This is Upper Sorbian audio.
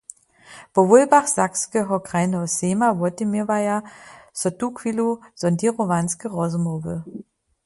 Po wólbach Sakskeho krajneho sejma wotměwaja so tuchwilu sonděrowanske rozmołwy.